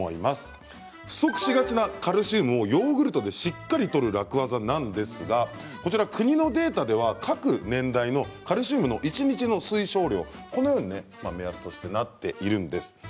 不足しがちなカルシウムをヨーグルトでしっかりとる楽ワザなんですが国のデータでは各年代のカルシウムの一日の推奨量はこのように目安となっています。